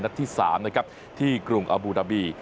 ที่๓นะครับที่กรุงอบูดาบี